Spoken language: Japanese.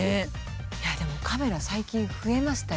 いやでもカメラ最近増えましたよね。